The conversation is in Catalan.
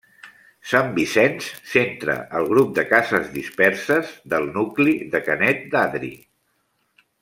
Sant Vicenç centra el grup de cases disperses del nucli de Canet d'Adri.